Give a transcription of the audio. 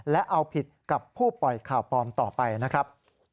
และเอาผิดกับผู้ปล่อยข่าวปลอมต่อไปนะครับ